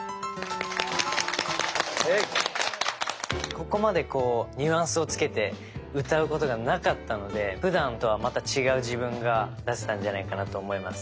ここまでニュアンスをつけて歌うことがなかったのでふだんとはまた違う自分が出せたんじゃないかなと思います。